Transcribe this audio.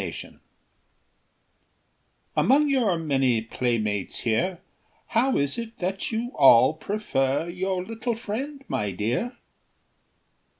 TABB Among your many playmates here, How is it that you all prefer Your little friend, my dear?